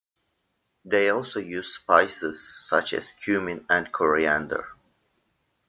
They also used spices such as cumin and coriander.